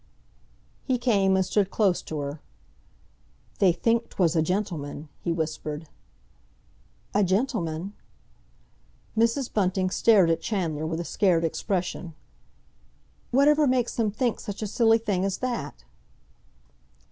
He came and stood close to her. "They think 'twas a gentleman," he whispered. "A gentleman?" Mrs. Bunting stared at Chandler with a scared expression. "Whatever makes them think such a silly thing as that?"